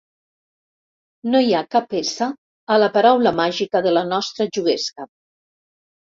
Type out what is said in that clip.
No hi ha cap essa a la paraula màgica de la nostra juguesca.